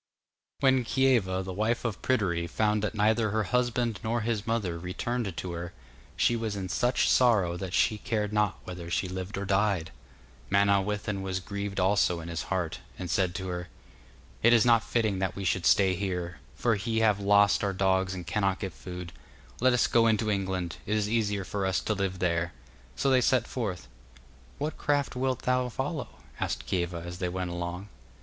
When Kieva, the wife of Pryderi, found that neither her husband nor his mother returned to her, she was in such sorrow that she cared not whether she lived or died. Manawyddan was grieved also in his heart, and said to her: 'It is not fitting that we should stay here, for he have lost our dogs and cannot get food. Let us go into England it is easier for us to live there.' So they set forth. 'What craft wilt thou follow?' asked Kieva as they went along.